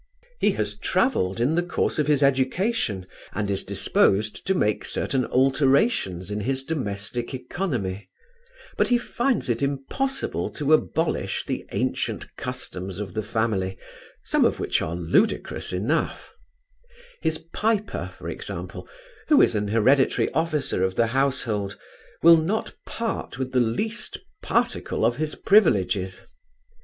He has travelled in the course of his education, and is disposed to make certain alterations in his domestic oeconomy; but he finds it impossible to abolish the ancient customs of the family; some of which are ludicrous enough His piper for example, who is an hereditary officer of the household, will not part with the least particle of his privileges.